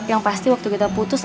yang pasti waktu kita putus